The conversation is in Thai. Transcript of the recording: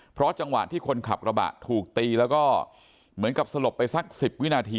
เพราะจังหวะที่คนขับกระบะถูกตีแล้วก็เหมือนกับสลบไปสัก๑๐วินาที